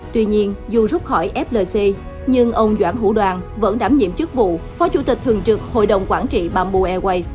tuy nhiên dù rút khỏi flc nhưng ông doãn hữu đoàn vẫn đảm nhiệm chức vụ phó chủ tịch thường trực hội đồng quản trị bamboo airways